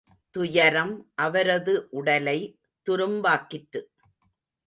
துயரம் அவரது உடலை துரும்பாக்கிற்று.